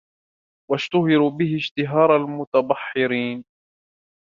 وَاشْتُهِرُوا بِهِ اشْتِهَارَ الْمُتَبَحِّرِينَ